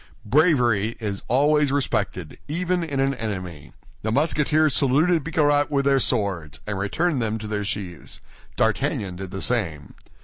Bravery is always respected, even in an enemy. The Musketeers saluted Bicarat with their swords, and returned them to their sheaths. D'Artagnan did the same.